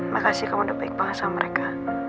makasih kamu udah baik banget sama mereka